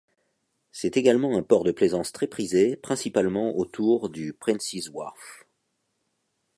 C'est également un port de plaisance très prisé, principalement autour du Princes Wharf.